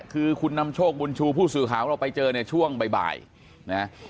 คือคุณนำโชคบุญชูผู้สื่อข่าวของเราไปเจอเนี่ยช่วงบ่ายนะ